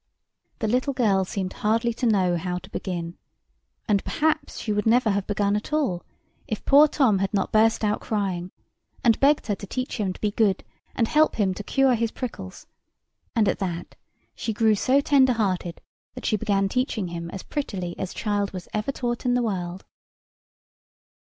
The little girl seemed hardly to know how to begin; and perhaps she would never have begun at all if poor Tom had not burst out crying, and begged her to teach him to be good and help him to cure his prickles; and at that she grew so tender hearted that she began teaching him as prettily as ever child was taught in the world.